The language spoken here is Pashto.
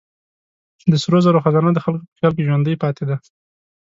د سرو زرو خزانه د خلکو په خیال کې ژوندۍ پاتې ده.